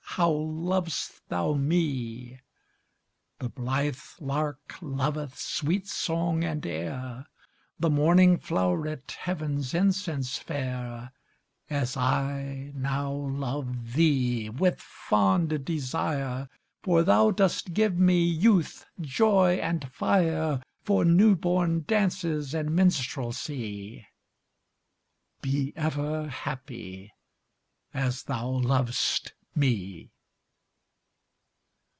How lov'st thou me! The blithe lark loveth Sweet song and air, The morning flow'ret Heav'n's incense fair, As I now love thee With fond desire, For thou dost give me Youth, joy, and fire, For new born dances And minstrelsy. Be ever happy, As thou lov'st me!